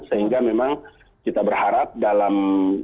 sehingga memang kita berharap dalam